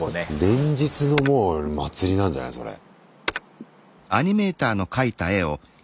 連日のもう祭りなんじゃないそれ。